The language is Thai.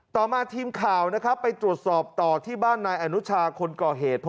ต่อมาทีมข่าวนะครับไปตรวจสอบต่อที่บ้านนายอนุชาคนก่อเหตุ